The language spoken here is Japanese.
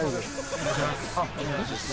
お願いします。